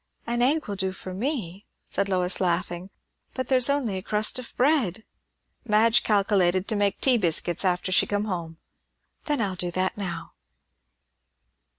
"An egg will do for me," said Lois, laughing; "but there's only a crust of bread." "Madge calkilated to make tea biscuits after she come home." "Then I'll do that now."